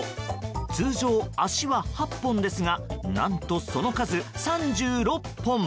通常、足は８本ですが何と、その数３６本！